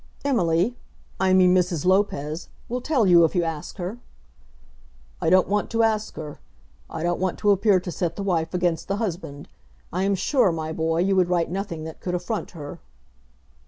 "Emily, I mean Mrs. Lopez, will tell you if you ask her." "I don't want to ask her. I don't want to appear to set the wife against the husband. I am sure, my boy, you would write nothing that could affront her."